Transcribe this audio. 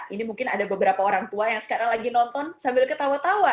ini mungkin ada beberapa orang tua yang sekarang lagi nonton sambil ketawa tawa